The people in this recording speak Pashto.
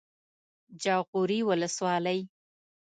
جاغوري ولسوالۍ